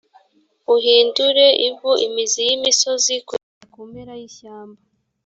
uhindure ivu imizi y’imisozi kugeza ku mpera y’ishyamba.